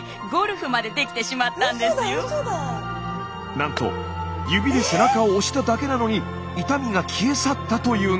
なんと指で背中を押しただけなのに痛みが消え去ったというんです。